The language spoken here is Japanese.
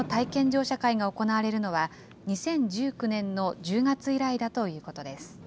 乗車会が行われるのは、２０１９年の１０月以来だということです。